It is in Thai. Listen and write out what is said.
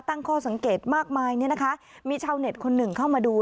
ตั้งข้อสังเกตมากมายเนี่ยนะคะมีชาวเน็ตคนหนึ่งเข้ามาดู